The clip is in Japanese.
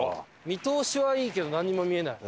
見通しはいいけどなんにも見えない。